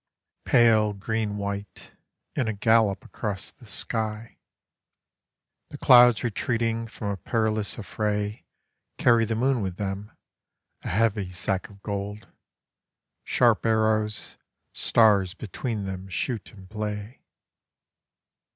_ Pale green white, in a gallop across the sky, The clouds retreating from a perilous affray Carry the moon with them, a heavy sack of gold; Sharp arrows, stars between them shoot and play.